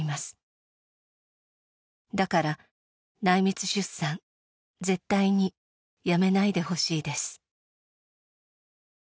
「だから内密出産絶対にやめないでほしいです」